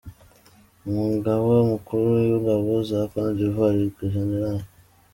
Umugaba Mukuru w’Ingabo za Côte d’Ivoire, Gen.